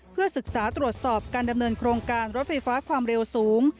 เพื่อศึกษาตรวจสอบการดำเนินโครงการรถไฟฟ้าความเร็วสูง